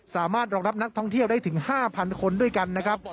สามารถรองรับนักท่องเที่ยวได้ถึง๕๐๐คนด้วยกันนะครับ